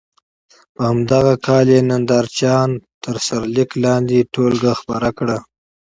په همدغه کال یې ننداره چیان تر سرلیک لاندې ټولګه خپره کړه.